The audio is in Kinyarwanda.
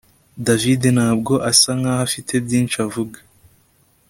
David ntabwo asa nkaho afite byinshi avuga